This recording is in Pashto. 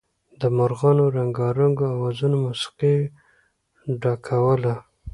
د مارغانو رنګارنګو اوازونو موسيقۍ ډکوله.